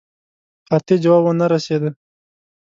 قاطع جواب ونه رسېدی.